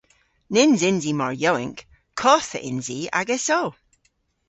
Nyns yns i mar yowynk! Kottha yns i agesso!